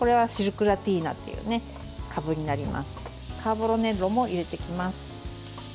カーボロネロも入れていきます。